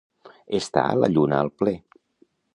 Estar la lluna al ple.